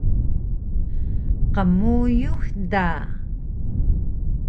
Qmuyux da